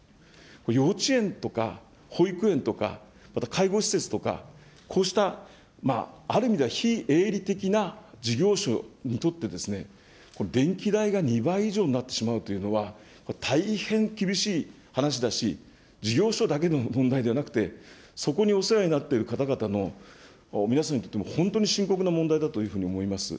幼稚園とか保育園とか、また介護施設とか、こうしたある意味では非営利的な事業所にとって、電気代が２倍以上になってしまうというのは、大変厳しい話だし、事業所だけの問題ではなくて、そこにお世話になっている方々の皆さんにとっても、本当に深刻な問題だというふうに思います。